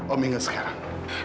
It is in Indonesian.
om ingat sekarang